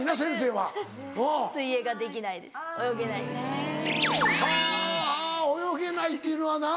はぁ泳げないっていうのはな。